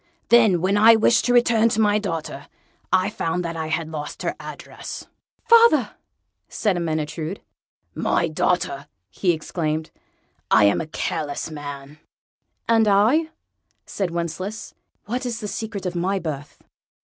Then, when I wished to return to my daughter, I found that I had lost her address." "Father!" said Ermyntrude. "My daughter," he exclaimed, "I am a careless man!" "And I?" said Wencheslaus "what is the secret of my birth?"